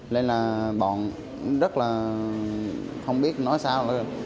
nên là bọn rất là không biết nói sao